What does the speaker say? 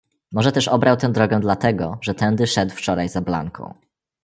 "Może też obrał tę drogę dla tego, że tędy szedł wczoraj za Blanką."